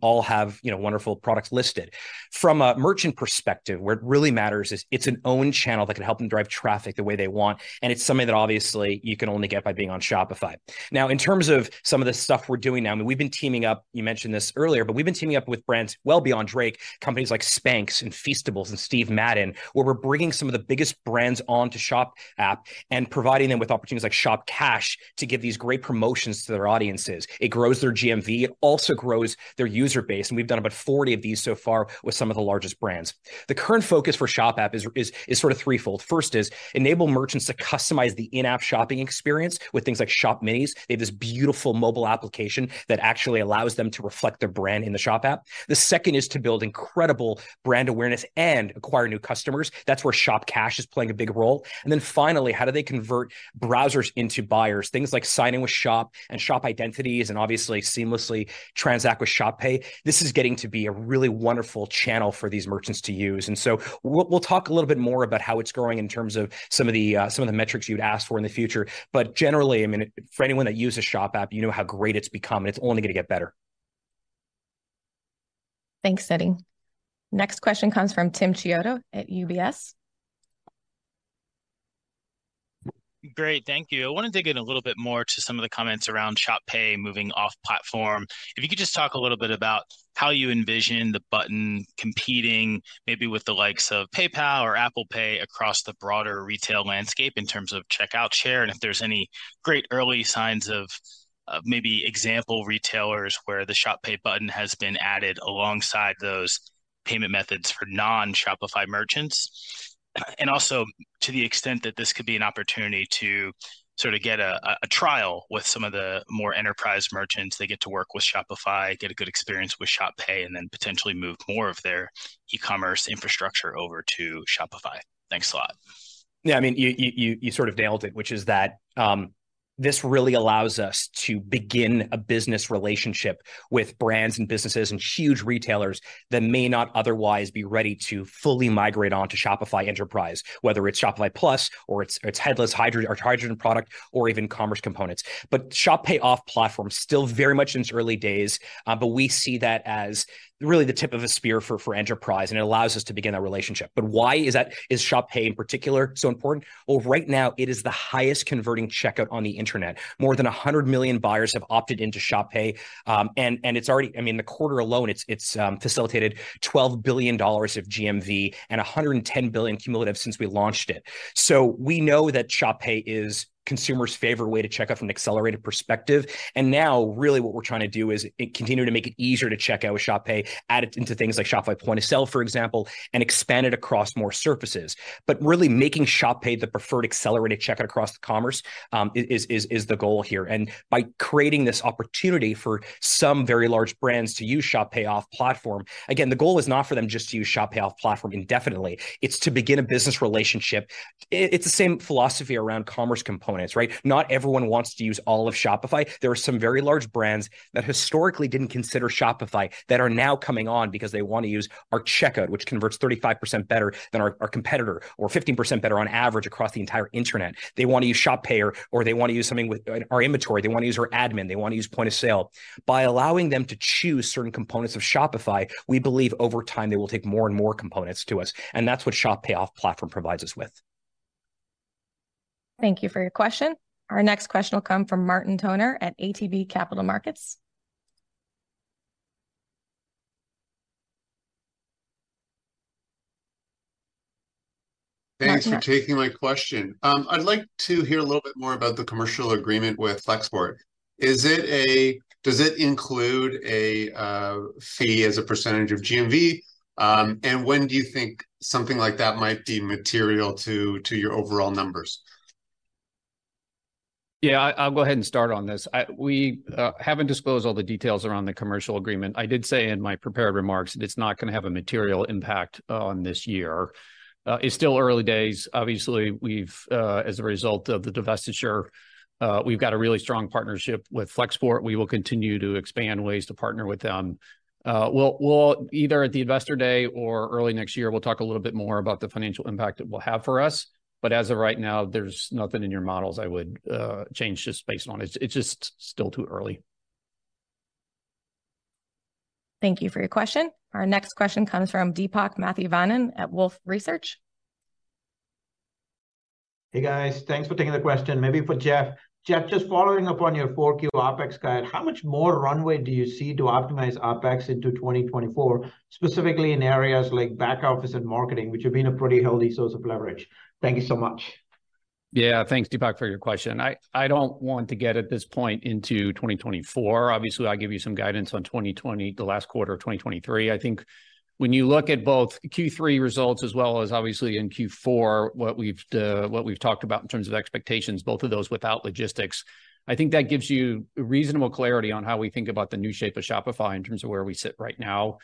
Speaker 2: all have, you know, wonderful products listed. From a merchant perspective, where it really matters is it's an own channel that can help them drive traffic the way they want, and it's something that obviously you can only get by being on Shopify. Now, in terms of some of the stuff we're doing now, I mean, we've been teaming up, you mentioned this earlier, but we've been teaming up with brands well beyond Drake, companies like Spanx and Feastables and Steve Madden, where we're bringing some of the biggest brands onto Shop app and providing them with opportunities like Shop Cash to give these great promotions to their Audiences. It grows their GMV, it also grows their user base, and we've done about 40 of these so far with some of the largest brands. The current focus for Shop app is sort of threefold. First is, enable merchants to customize the in-app shopping experience with things like Shop Minis. They have this beautiful mobile application that actually allows them to reflect their brand in the Shop App. The second is to build incredible brand awareness and acquire new customers. That's where Shop Cash is playing a big role. And then finally, how do they convert browsers into buyers? Things like signing with Shop, and Shop identities, and obviously seamlessly transact with Shop Pay. This is getting to be a really wonderful channel for these merchants to use. And so we'll talk a little bit more about how it's growing in terms of some of the metrics you'd asked for in the future. But generally, I mean, for anyone that uses Shop App, you know how great it's become, and it's only gonna get better.
Speaker 1: Thanks, Siti. Next question comes from Tim Chiodo at UBS.
Speaker 11: Great, thank you. I wanna dig in a little bit more to some of the comments around Shop Pay moving off-platform. If you could just talk a little bit about how you envision the button competing, maybe with the likes of PayPal or Apple Pay, across the broader retail landscape in terms of checkout share, and if there's any great early signs of maybe example retailers where the Shop Pay button has been added alongside those payment methods for non-Shopify merchants? And also, to the extent that this could be an opportunity to sort of get a trial with some of the more enterprise merchants, they get to work with Shopify, get a good experience with Shop Pay, and then potentially move more of their e-commerce infrastructure over to Shopify. Thanks a lot.
Speaker 2: Yeah, I mean, you sort of nailed it, which is that this really allows us to begin a business relationship with brands and businesses and huge retailers that may not otherwise be ready to fully migrate onto Shopify Enterprise, whether it's Shopify Plus, or it's Headless Hydrogen product, or even Commerce Components. But Shop Pay off-platform is still very much in its early days, but we see that as really the tip of a spear for Enterprise, and it allows us to begin that relationship. But why is that? Is Shop Pay in particular so important? Well, right now, it is the highest converting checkout on the internet. More than 100 million buyers have opted into Shop Pay, and it's already—I mean, the quarter alone, it's facilitated $12 billion of GMV and $110 billion cumulative since we launched it. So we know that Shop Pay is consumers' favorite way to check out from an accelerated perspective, and now, really what we're trying to do is continue to make it easier to check out with Shop Pay, add it into things like Shopify Point of Sale, for example, and expand it across more surfaces. But really making Shop Pay the preferred accelerated checkout across commerce is the goal here. And by creating this opportunity for some very large brands to use Shop Pay off-platform... Again, the goal is not for them just to use Shop Pay off-platform indefinitely, it's to begin a business relationship. It's the same philosophy around Commerce Components, right? Not everyone wants to use all of Shopify. There are some very large brands that historically didn't consider Shopify, that are now coming on because they wanna use our checkout, which converts 35% better than our, our competitor, or 15% better on average across the entire internet. They wanna use Shop Pay, or they wanna use something with our inventory, they wanna use our admin, they wanna use Point of Sale. By allowing them to choose certain components of Shopify, we believe over time they will take more and more components to us, and that's what Shop Pay Off Platform provides us with.
Speaker 1: Thank you for your question. Our next question will come from Martin Toner at ATB Capital Markets. Martin-
Speaker 12: Thanks for taking my question. I'd like to hear a little bit more about the commercial agreement with Flexport. Does it include a fee as a percentage of GMV? And when do you think something like that might be material to your overall numbers?
Speaker 3: Yeah, I'll go ahead and start on this. We haven't disclosed all the details around the commercial agreement. I did say in my prepared remarks that it's not gonna have a material impact on this year. It's still early days. Obviously, as a result of the divestiture, we've got a really strong partnership with Flexport. We will continue to expand ways to partner with them. We'll either at the Investor Day or early next year, we'll talk a little bit more about the financial impact it will have for us, but as of right now, there's nothing in your models I would change just based on it. It's just still too early.
Speaker 1: Thank you for your question. Our next question comes from Deepak Mathivanan at Wolfe Research.
Speaker 13: Hey, guys. Thanks for taking the question. Maybe for Jeff. Jeff, just following up on your Q4 OpEx guide, how much more runway do you see to optimize OpEx into 2024, specifically in areas like back office and marketing, which have been a pretty healthy source of leverage? Thank you so much.
Speaker 3: Yeah, thanks, Deepak, for your question. I don't want to get, at this point, into 2024. Obviously, I'll give you some guidance on the last quarter of 2023. I think when you look at both Q3 results, as well as obviously in Q4, what we've, what we've talked about in terms of expectations, both of those without logistics, I think that gives you reasonable clarity on how we think about the new shape of Shopify in terms of where we sit right now.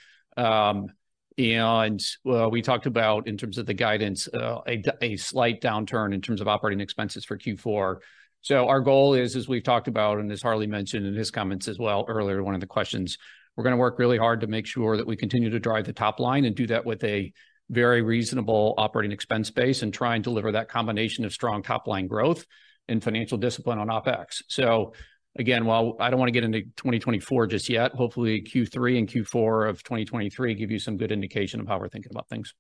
Speaker 3: And, well, we talked about, in terms of the guidance, a slight downturn in terms of operating expenses for Q4. So our goal is, as we've talked about, and as Harley mentioned in his comments as well earlier in one of the questions, we're gonna work really hard to make sure that we continue to drive the top line, and do that with a very reasonable operating expense base, and try and deliver that combination of strong top line growth and financial discipline on OpEx. So again, while I don't wanna get into 2024 just yet, hopefully Q3 and Q4 of 2023 give you some good indication of how we're thinking about things.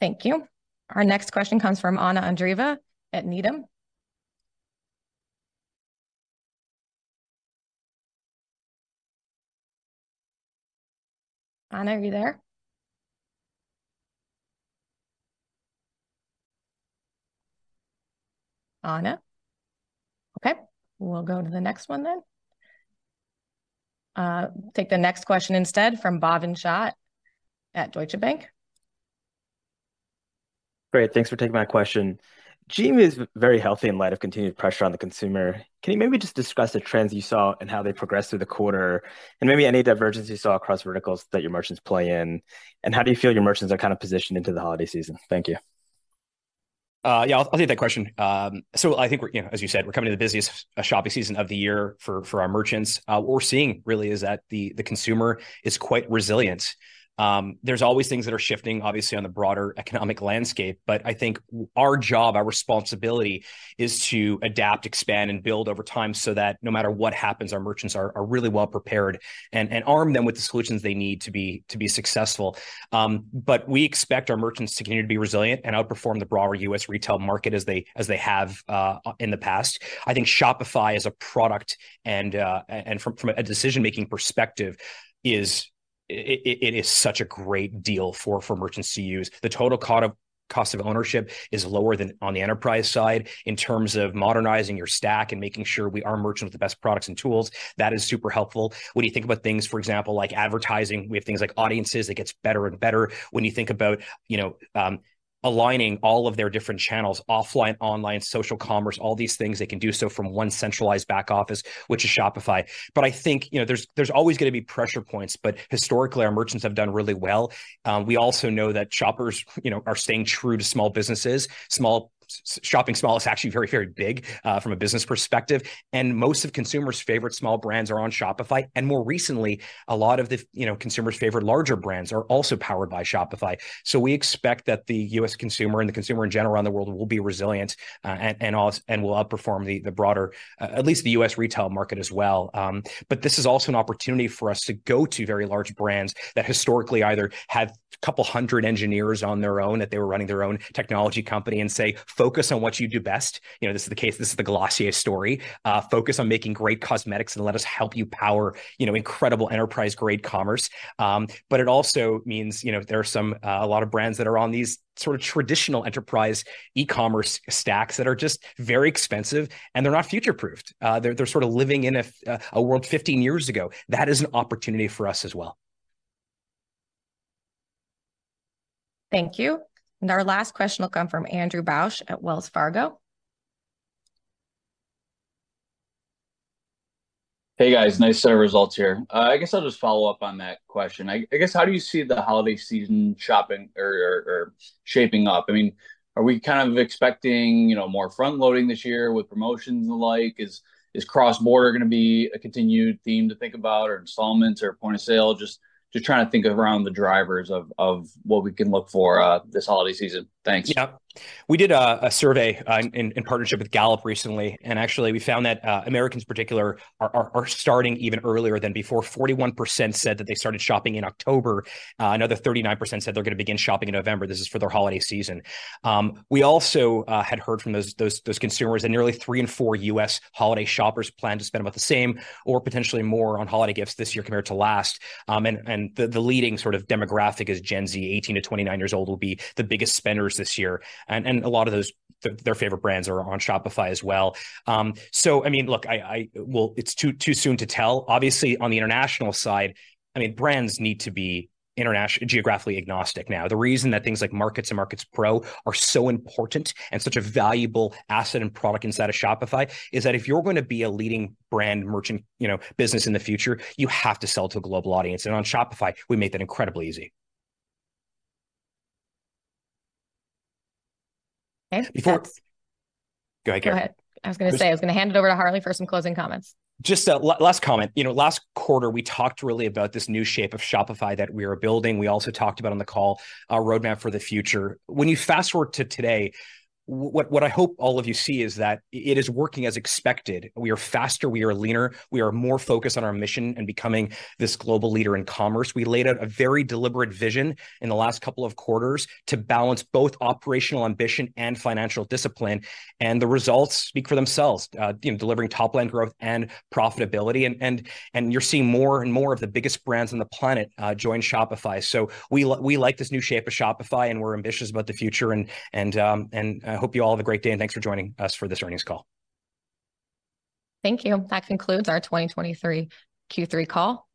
Speaker 1: Thank you. Our next question comes from Anna Andreeva at Needham. Anna, are you there? Anna? Okay, we'll go to the next one then. Take the next question instead from Bhavin Shah at Deutsche Bank.
Speaker 14: Great, thanks for taking my question. GMV is very healthy in light of continued pressure on the consumer. Can you maybe just discuss the trends you saw and how they progressed through the quarter, and maybe any divergence you saw across verticals that your merchants play in? And how do you feel your merchants are kind of positioned into the holiday season? Thank you.
Speaker 3: Yeah, I'll, I'll take that question. So I think we're, you know, as you said, we're coming to the busiest shopping season of the year for our merchants. What we're seeing really is that the consumer is quite resilient. There's always things that are shifting, obviously, on the broader economic landscape, but I think our job, our responsibility, is to adapt, expand, and build over time so that no matter what happens, our merchants are really well prepared, and, and arm them with the solutions they need to be successful. But we expect our merchants to continue to be resilient and outperform the broader U.S. retail market as they have in the past. I think Shopify as a product and from a decision-making perspective, is... It is such a great deal for merchants to use. The total cost of-... cost of ownership is lower than on the enterprise side in terms of modernizing your stack and making sure we are merging with the best products and tools. That is super helpful. When you think about things, for example, like advertising, we have things like Audiences that gets better and better. When you think about, you know, aligning all of their different channels, offline, online, social commerce, all these things, they can do so from one centralized back office, which is Shopify. But I think, you know, there's, there's always gonna be pressure points, but historically, our merchants have done really well. We also know that shoppers, you know, are staying true to small businesses. Small shopping small is actually very, very big from a business perspective, and most of consumers' favorite small brands are on Shopify. More recently, a lot of the, you know, consumers' favorite larger brands are also powered by Shopify. So we expect that the US consumer and the consumer in general around the world will be resilient, and also will outperform the broader, at least the US retail market as well. But this is also an opportunity for us to go to very large brands that historically either had a couple of hundred engineers on their own, that they were running their own technology company, and say, "Focus on what you do best." You know, this is the case. This is the Glossier story. Focus on making great cosmetics, and let us help you power, you know, incredible enterprise-grade commerce. But it also means, you know, there are some, a lot of brands that are on these sort of traditional enterprise e-commerce stacks that are just very expensive, and they're not future-proofed. They're sort of living in a world 15 years ago. That is an opportunity for us as well.
Speaker 1: Thank you. And our last question will come from Andrew Bauch at Wells Fargo.
Speaker 15: Hey, guys. Nice set of results here. I guess I'll just follow up on that question. I guess, how do you see the holiday season shopping area or shaping up? I mean, are we kind of expecting, you know, more front-loading this year with promotions and the like? Is cross-border gonna be a continued theme to think about, or installments, or Point of Sale? Just trying to think around the drivers of what we can look for this holiday season. Thanks.
Speaker 2: Yeah. We did a survey in partnership with Gallup recently, and actually, we found that Americans in particular are starting even earlier than before. 41% said that they started shopping in October. Another 39% said they're gonna begin shopping in November. This is for the holiday season. We also had heard from those consumers, and nearly three in four U.S. holiday shoppers plan to spend about the same or potentially more on holiday gifts this year compared to last. And the leading sort of demographic is Gen Z. 18-29 year-olds will be the biggest spenders this year, and a lot of those, their favorite brands are on Shopify as well. So, I mean, look, well, it's too soon to tell. Obviously, on the international side, I mean, brands need to be internationally geographically agnostic now. The reason that things like Markets and Markets Pro are so important and such a valuable asset and product inside of Shopify is that if you're gonna be a leading brand merchant, you know, business in the future, you have to sell to a global audience, and on Shopify, we make that incredibly easy.
Speaker 15: Okay.
Speaker 2: Before-
Speaker 14: Thanks.
Speaker 2: Go ahead, Carrie.
Speaker 1: Go ahead. I was gonna say-
Speaker 2: Just-...
Speaker 1: I was gonna hand it over to Harley for some closing comments.
Speaker 2: Just a last comment. You know, last quarter, we talked really about this new shape of Shopify that we are building. We also talked about on the call our roadmap for the future. When you fast-forward to today, what I hope all of you see is that it is working as expected. We are faster, we are leaner, we are more focused on our mission in becoming this global leader in commerce. We laid out a very deliberate vision in the last couple of quarters to balance both operational ambition and financial discipline, and the results speak for themselves, you know, delivering top-line growth and profitability. And you're seeing more and more of the biggest brands on the planet join Shopify. So we like this new shape of Shopify, and we're ambitious about the future, and I hope you all have a great day, and thanks for joining us for this earnings call.
Speaker 1: Thank you. That concludes our 2023 Q3 call. Bye